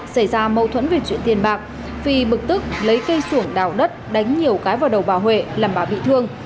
xảy ra mâu thuẫn về chuyện tiền bạc phi bực tức lấy cây xuổng đào đất đánh nhiều cái vào đầu bà huệ làm bà bị thương